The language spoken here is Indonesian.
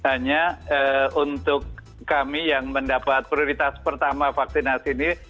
hanya untuk kami yang mendapat prioritas pertama vaksinasi ini